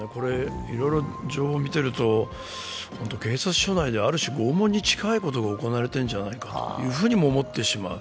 いろいろ情報を見ていると警察署内である種拷問に近いことが行われているんじゃないかというふうにも思ってしまう。